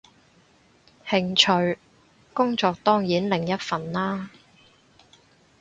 興趣，工作當然另一份啦